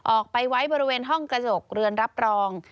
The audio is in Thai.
ออกไปไว้บริเวณห้องกระจกเรือนรับรอง